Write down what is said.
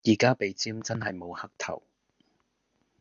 而家鼻尖真係無黑頭